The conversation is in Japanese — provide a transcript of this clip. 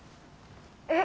えっ！？